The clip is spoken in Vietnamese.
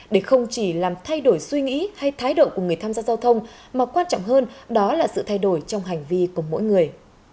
để không chỉ làm thay đổi suy nghĩ hay thái độ của người tham gia giao thông mà quan trọng hơn đó là sự thay đổi trong hành vi của mỗi người